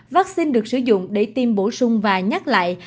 vaccine được sử dụng để tiêm bổ sung và nhắc lại